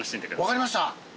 分かりました。